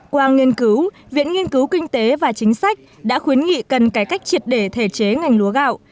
qua nghiên cứu viện nghiên cứu kinh tế và chính sách đã khuyến nghị cần cải cách triệt để thể chế ngành lúa gạo